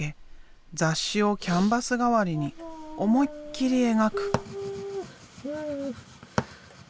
雑誌をキャンバス代わりに思いっきり描く！